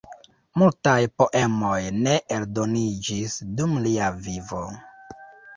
Multaj poemoj ne eldoniĝis dum lia vivo.